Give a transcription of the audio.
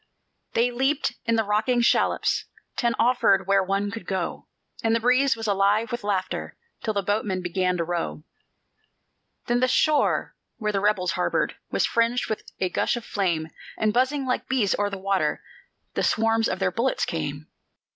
They leaped in the rocking shallops. Ten offered where one could go; And the breeze was alive with laughter Till the boatmen began to row. Then the shore, where the rebels harbored, Was fringed with a gush of flame, And buzzing, like bees, o'er the water The swarms of their bullets came.